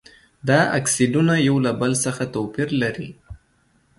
دا اکسایدونه یو له بل څخه توپیر لري.